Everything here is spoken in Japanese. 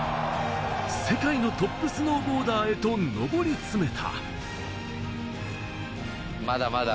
世界のトップスノーボーダーへと上り詰めた。